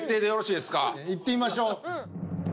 いってみましょう。